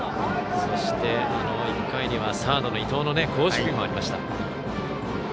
そして、１回にはサードの伊藤の好守備もありました。